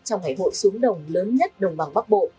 trong ngày hội xuống đồng lớn nhất đồng bằng bắc bộ